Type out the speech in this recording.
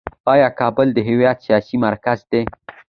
آیا کابل د هیواد سیاسي مرکز دی؟